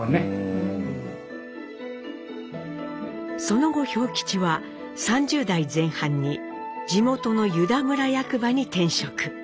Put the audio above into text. その後兵吉は３０代前半に地元の湯田村役場に転職。